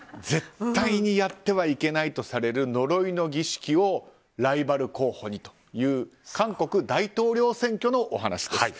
絶対にやってはいけないとされる呪いの儀式をライバル候補にという韓国大統領選挙のお話です。